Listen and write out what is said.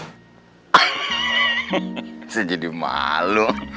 hehehe saya jadi malu